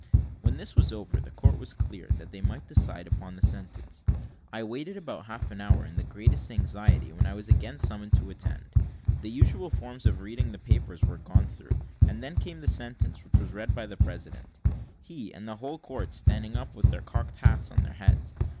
When this was over, the court was cleared, that they might decide upon the sentence. I waited about half an hour in the greatest anxiety, when I was again summoned to attend. The usual forms of reading the papers were gone through, and then came the sentence, which was read by the president, he and the whole court standing up with their cocked hats on their heads.